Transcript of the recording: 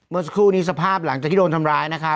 เมื่อสักครู่นี้สภาพหลังจากที่โดนทำร้ายนะคะ